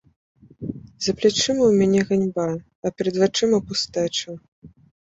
За плячыма ў мяне ганьба, а перад вачыма пустэча.